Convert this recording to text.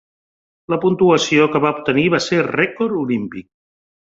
La puntuació que va obtenir va ser rècord olímpic.